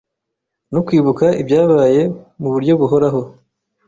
no kwibuka ibyabaye mubryo buhoraho